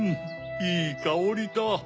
いいかおりだ。